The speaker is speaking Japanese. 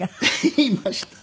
言いました。